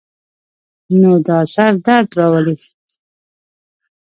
نو دا سر درد راولی